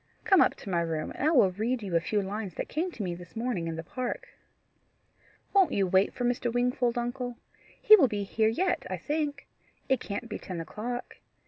Come up to my room, and I will read you a few lines that came to me this morning in the park." "Won't you wait for Mr. Wingfold, uncle? He will be here yet, I think. It can't be ten o'clock.